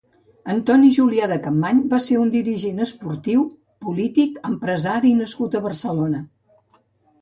Antoni Julià de Capmany va ser un dirigent esportiu, polític, empresari nascut a Barcelona.